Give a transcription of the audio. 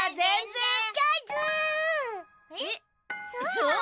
そう？